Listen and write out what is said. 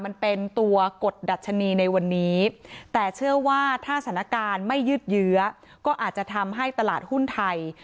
มันเป็นตัวกดัชนีในวันนี้แต่เชื่อว่าถ้าสถานการณ์ไม่ยืดเยื้อก็อาจจะทำให้ตลาดหุ้นไทย